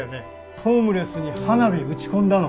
ホームレスに花火打ち込んだの？